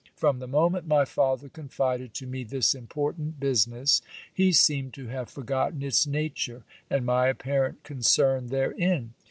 From the moment my father confided to me this important business, he seemed to have forgotten its nature and my apparent concern therein.